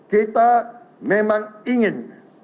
kita memang ingin